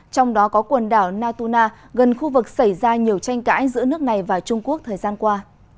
trong đó có quần đảo natuna gần khu vực xảy ra nhiều tranh cãi giữa nước này và trung quốc thời gian qua